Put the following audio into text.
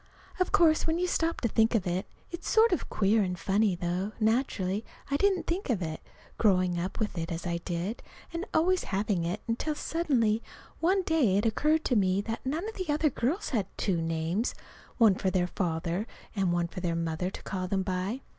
Of course, when you stop to think of it, it's sort of queer and funny, though naturally I didn't think of it, growing up with it as I did, and always having it, until suddenly one day it occurred to me that none of the other girls had two names, one for their father, and one for their mother to call them by.